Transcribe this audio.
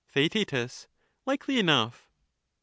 Theaet. Likely enough. Str.